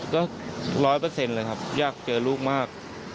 ก็ร้อยเปอร์เซ็นต์เลยครับอยากเจอลูกมาก